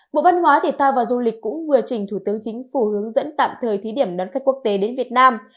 bộ văn hóa thể thao và du lịch cũng vừa trình thủ tướng chính phủ hướng dẫn tạm thời thí điểm đón khách quốc tế đến việt nam